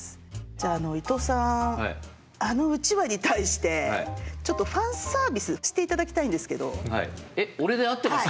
じゃあ伊藤さんあのうちわに対してちょっとファンサービスしていただきたいんですけど。